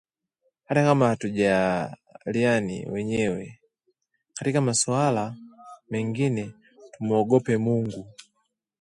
Hata kama hatujaaliani wenyewe, katika masuala mengine tumuogope Mungu